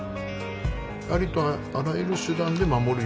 ありとあらゆる手段で守るよ。